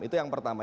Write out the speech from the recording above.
itu yang pertama